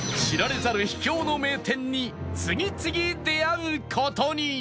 知られざる秘境の名店に次々出会う事に